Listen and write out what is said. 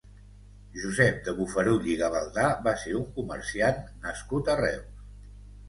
Josep de Bofarull i Gavaldà va ser un comerciant nascut a Reus.